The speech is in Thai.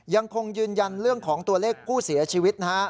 ยังคงยืนยันเรื่องของตัวเลขผู้เสียชีวิตนะฮะ